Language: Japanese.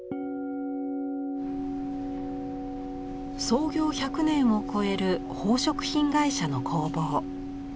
創業１００年を超える宝飾品会社の工房。